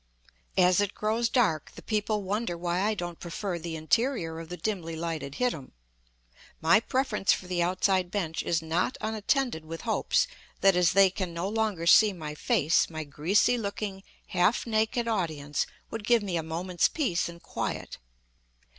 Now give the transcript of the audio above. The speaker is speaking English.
As it grows dark the people wonder why I don't prefer the interior of the dimly lighted hittim. My preference for the outside bench is not unattended with hopes that, as they can no longer see my face, my greasy looking, half naked audience would give me a moment's peace and quiet.